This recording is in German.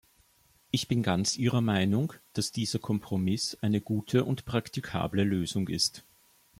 Ich bin ganz Ihrer Meinung, dass dieser Kompromiss eine gute und praktikable Lösung ist.